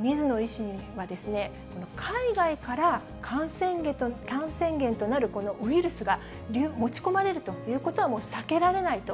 水野医師は、海外から感染源となるこのウイルスが持ち込まれるということは避けられないと。